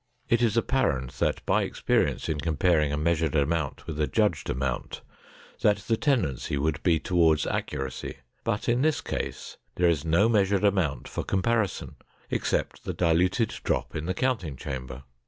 It is apparent that by experience in comparing a measured amount with a judged amount that the tendency would be toward accuracy, but in this case there is no measured amount for comparison, except the diluted drop in the counting chamber.